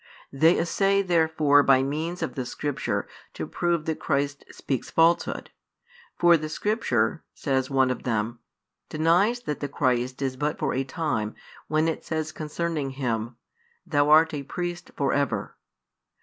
They essay therefore by means of the Scripture to prove that Christ speaks falsehood. For the Scripture, says [one of them], denies that the Christ is but for a time, when it says concerning Him: Thou art a Priest for ever.